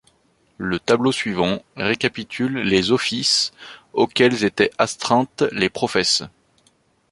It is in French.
Le tableau suivant récapitule les offices auxquels étaient astreintes les professes.